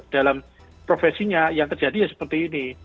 dalam profesinya yang terjadi ya seperti ini